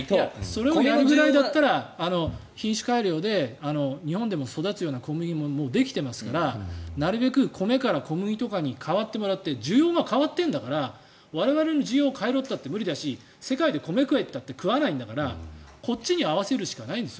それをやるぐらいだったら品種改良で日本でも育つような小麦ができてますからなるべく米から小麦とかに変わってもらって需要が変わっているんだから我々の需要を変えるのは無理だし世界で米を食えって言ったって食わないんだからこっちに合わせるしかないんです。